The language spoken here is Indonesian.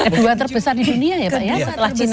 dua terbesar di dunia ya pak ya setelah kita